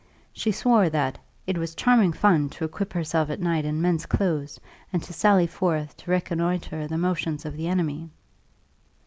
She swore that "it was charming fun to equip herself at night in men's clothes, and to sally forth to reconnoitre the motions of the enemy."